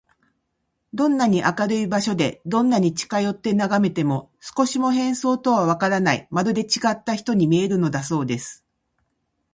どんなに明るい場所で、どんなに近よってながめても、少しも変装とはわからない、まるでちがった人に見えるのだそうです。